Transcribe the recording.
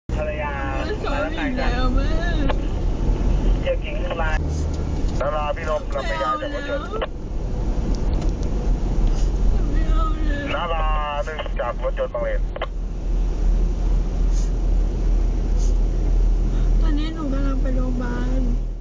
ตอนนี้หนูกำลังไปโรงพยาบาล